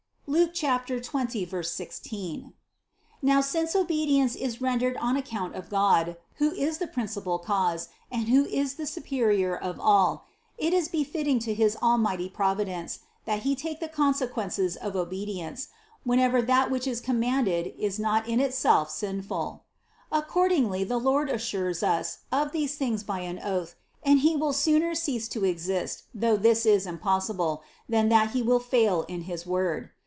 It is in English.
(Luke 20, 16). Now since obedience is ren dered on account of God, who is the principal Cause and who is the Superior of all, it is befitting to his almighty Providence that He take the consequences of obedience, whenever that which is commanded is not in itself sin ful. Accordingly the Lord assures us of these things by an oath, and He will sooner cease to exist, though this is impossible, than that He will fail in his word.